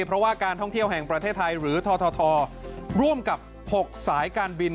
เพราะว่าการท่องเที่ยวแห่งประเทศไทยหรือททร่วมกับ๖สายการบิน